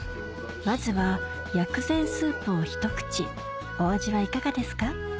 まずは薬膳スープをひと口お味はいかがですか？